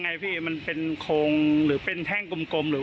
พอออกมาพี่เขาเห็นเลือดเต็มไปหมดเลย